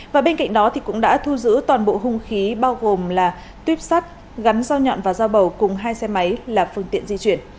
và bên cạnh đó cũng đã thu giữ toàn bộ hung khí bao gồm là tuyếp sắt gắn dao nhọn và dao bầu cùng hai xe máy là phương tiện di chuyển